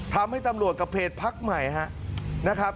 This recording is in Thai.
ทำให้ตำรวจกับเพจพักใหม่นะครับ